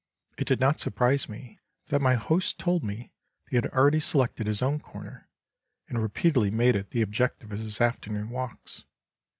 It did not surprise me that my host told me he had already selected his own corner, and repeatedly made it the objective of his afternoon walks.